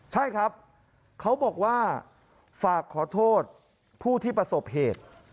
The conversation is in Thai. ใช่ครับเขาบอกว่าฝากขอโทษผู้ที่ประสบเหตุ